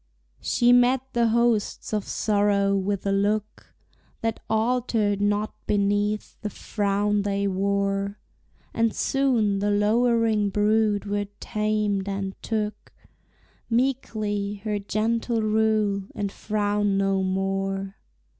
She met the hosts of sorrow with a look That altered not beneath the frown they wore, And soon the lowering brood were tamed, and took, Meekly, her gentle rule, and frowned no more.